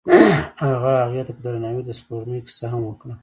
هغه هغې ته په درناوي د سپوږمۍ کیسه هم وکړه.